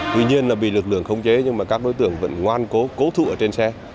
tuy nhiên là bị lực lượng khống chế nhưng mà các đối tượng vẫn ngoan cố cố trụ ở trên xe